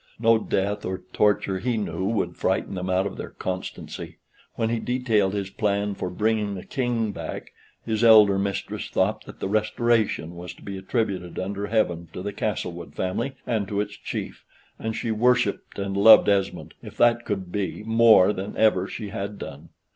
No death or torture he knew would frighten them out of their constancy. When he detailed his plan for bringing the King back, his elder mistress thought that that Restoration was to be attributed under heaven to the Castlewood family and to its chief, and she worshipped and loved Esmond, if that could be, more than ever she had done.